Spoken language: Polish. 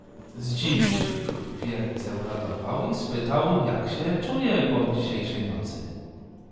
"Zdziwił się król wielce, uradował i spytał, jak się czuje po dzisiejszej nocy."